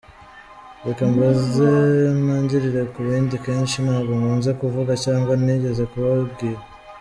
Reka mbanze ntagirire ku bindi kenshi nabwo nkunze kuvuga cyangwa nigize kubabwira.